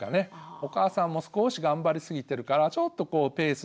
お母さんも少し頑張りすぎてるからちょっとこうペース